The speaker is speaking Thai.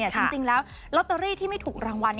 จริงแล้วลอตเตอรี่ที่ไม่ถูกรางวัล